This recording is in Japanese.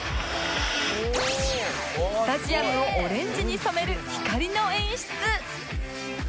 スタジアムをオレンジに染める光の演出